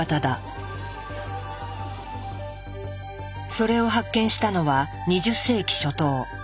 それを発見したのは２０世紀初頭。